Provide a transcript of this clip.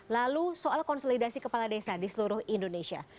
lalu soal konsolidasi kepala desa di seluruh indonesia